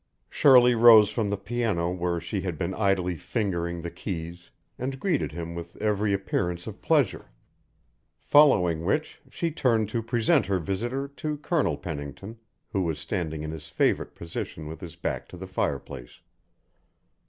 Shirley rose from the piano where she had been idly fingering the keys and greeted him with every appearance of pleasure following which, she turned to present her visitor to Colonel Pennington, who was standing in his favourite position with his back to the fireplace.